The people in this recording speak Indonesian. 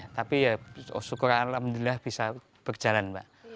tapi ya syukur allah bisa berjalan pak